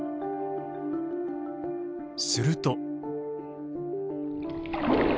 すると。